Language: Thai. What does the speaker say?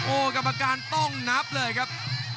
กรรมการต้องนับเลยครับ